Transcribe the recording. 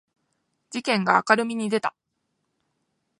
事件が明るみに出た